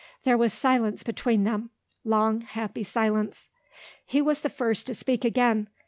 There was silence between them; long, happy silence. He was the first to speak again.